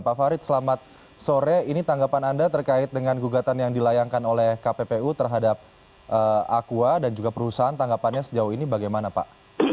pak farid selamat sore ini tanggapan anda terkait dengan gugatan yang dilayangkan oleh kppu terhadap aqua dan juga perusahaan tanggapannya sejauh ini bagaimana pak